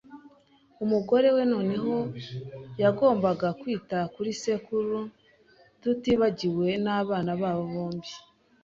Umugore we noneho yagombaga kwita kuri sekuru, tutibagiwe nabana babo bombi